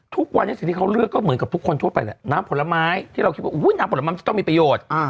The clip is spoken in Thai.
ทุกวันนี้เหมือนกับทุกคนทั่วไปแหละน้ำผลไม้น้ำผละไม้ต้องมีประโยชน์